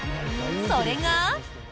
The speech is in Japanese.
それが。